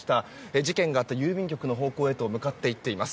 事件があった郵便局の方向へと向かっていっています。